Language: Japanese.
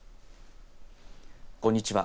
こんにちは。